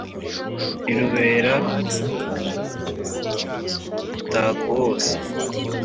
Rirubere umutako wose